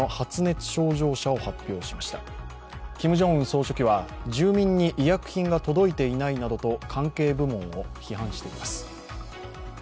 総書記は住民に医薬品が届いていないなどと関係部門を批判しています。